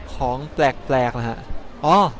ของแปลกนะฮะ